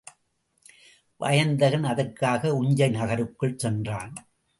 வயந்தகன் அதற்காக உஞ்சை நகருக்குள் சென்றான்.